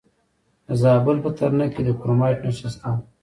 د زابل په ترنک کې د کرومایټ نښې شته.